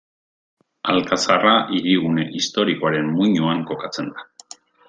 Alkazarra hirigune historikoaren muinoan kokatzen da.